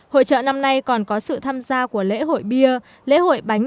hội trợ năm nay còn có sự tham gia của lễ hội bia lễ hội bánh